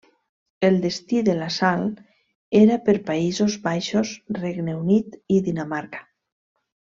El destí de la sal era per Països Baixos, Regne Unit i Dinamarca.